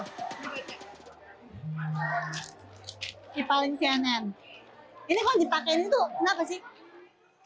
ini kok dipakai ini tuh kenapa sih